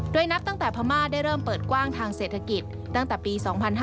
โดยนับตั้งแต่พม่าได้เริ่มเปิดกว้างทางเศรษฐกิจตั้งแต่ปี๒๕๕๙